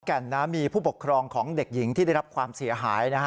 แก่นนะมีผู้ปกครองของเด็กหญิงที่ได้รับความเสียหายนะฮะ